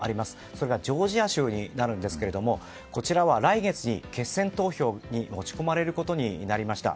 それがジョージア州なんですけどこちらは来月の決選投票に持ち込まれることになりました。